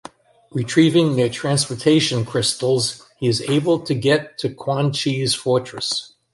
Retrieving their transportation crystals, he is able to get to Quan Chi's fortress.